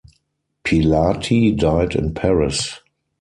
Pilati died in Paris.